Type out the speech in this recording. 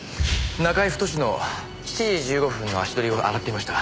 中居太の７時１５分の足取りを洗っていました。